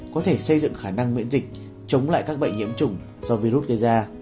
có thể xây dựng khả năng miễn dịch chống lại các bệnh nhiễm chủng do virus gây ra